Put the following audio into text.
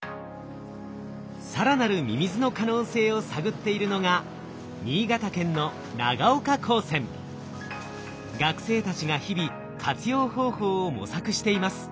更なるミミズの可能性を探っているのが新潟県の学生たちが日々活用方法を模索しています。